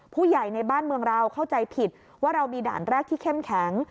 ผู้ใหญ่ในบ้านเมืองเราเข้าใจผิดว่าเรามีด่านแรกที่เข้มแข็ง